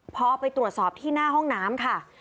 พอไปตรวจสอบที่หน้าห้องน้ำค่ะ